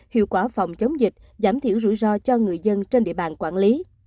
hiệu quả phòng chống dịch giảm thiểu rủi ro cho người dân trên địa bàn quản lý